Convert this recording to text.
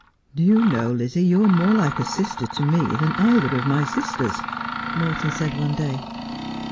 ' Do you know, Lizzie, you are more like a sister to me than either of my sisters,' Morton said one day.